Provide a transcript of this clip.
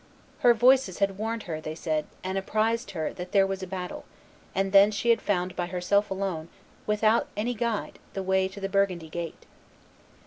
"Her voices had warned her," they said, "and apprised her that there was a battle; and then she had found by herself alone and without any guide the way to the Burgundy gate."